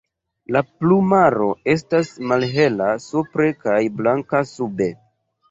La plumaro estas malhela supre kaj blanka sube.